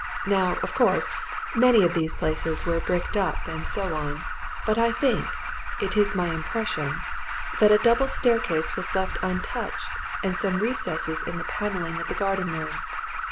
Now, of course, many of these places were bricked up, and so on, but I think it is my impression that a double staircase was left untouched, and some recesses in the panelling of the garden room.